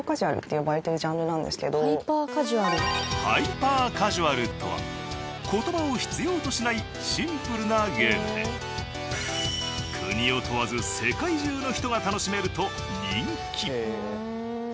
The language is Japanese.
ハイパーカジュアルとは言葉を必要としないシンプルなゲームで国を問わず世界中の人が楽しめると人気。